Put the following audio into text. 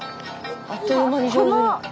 あっという間に上手に。